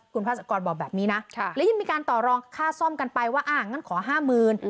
คุณภาษากรบอกแบบนี้นะและยังมีการต่อรองค่าซ่อมกันไปว่าอ่างั้นขอห้าหมื่น